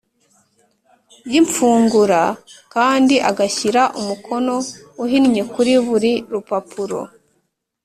Y ifungura kandi agashyira umukono uhinnye kuri buri rupapuro